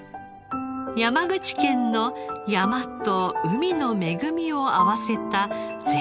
山口県の山と海の恵みを合わせた贅沢なひと皿。